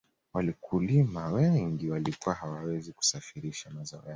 wakulima wengi walikuwa hawawezi kusafirisha mazao yao